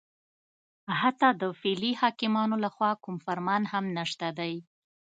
حتی د فعلي حاکمانو لخوا کوم فرمان هم نشته دی